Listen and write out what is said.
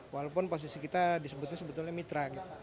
walaupun posisi kita disebutnya sebetulnya mitra gitu